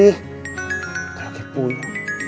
itu lagi punya